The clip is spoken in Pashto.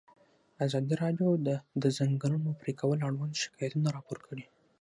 ازادي راډیو د د ځنګلونو پرېکول اړوند شکایتونه راپور کړي.